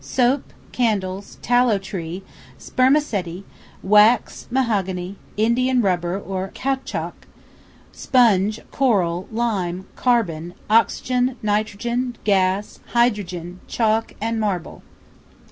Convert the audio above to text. SOAP, CANDLES, TALLOW TREE, SPERMACETI, WAX, MAHOGANY, INDIAN RUBBER OR CAOUTCHOUC, SPONGE, CORAL, LIME, CARBON, OXYGEN, NITROGEN, GAS, HYDROGEN, CHALK, AND MARBLE.